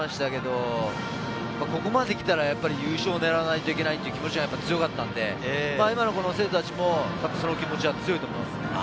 ここまで来たら、優勝を狙わないといけないという気持ちが強かったので、今の選手たちもその気持ちが強いと思います。